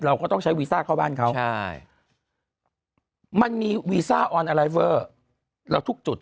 ก็ต้องใช้วีซ่าเข้าบ้านเขาใช่มันมีวีซ่าออนอะไรเวอร์แล้วทุกจุด